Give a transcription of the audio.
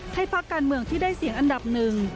พักการเมืองที่ได้เสียงอันดับหนึ่ง